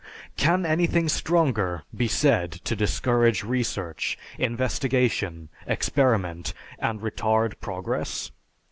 Can anything stronger be said to discourage research, investigation, experiment, and retard progress?